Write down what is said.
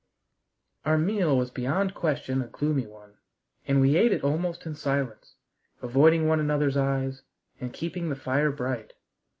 Our meal was beyond question a gloomy one, and we ate it almost in silence, avoiding one another's eyes, and keeping the fire bright.